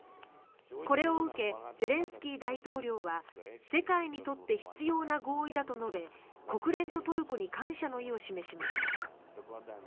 これを受けゼレンスキー大統領は世界にとって必要な合意だと述べ国連とトルコに感謝の意を示しました。